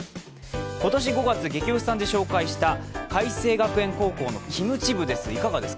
今年５月、「ゲキ推しさん」で紹介した大阪偕星学園高校のキムチ部です